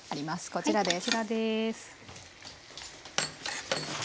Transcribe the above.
こちらです。